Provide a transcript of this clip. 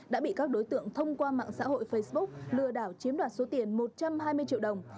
đã bị các đối tượng thông qua mạng xã hội facebook lừa đảo chiếm đoạt số tiền một trăm hai mươi triệu đồng